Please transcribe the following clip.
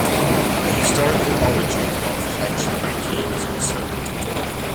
The historical origin of hachimaki is uncertain.